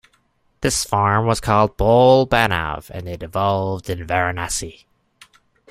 This form was called "bol-banav" and it evolved in Varanasi.